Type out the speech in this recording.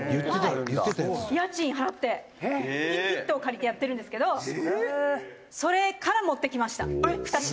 「家賃払って１棟借りて、やってるんですけどそれから持ってきました、２品」